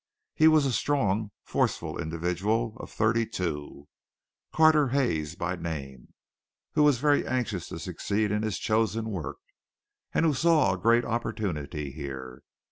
He was a strong, forceful individual of thirty two, Carter Hayes by name, who was very anxious to succeed in his chosen work, and who saw a great opportunity here.